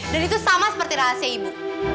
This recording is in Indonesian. dan itu sama seperti rahasia ibu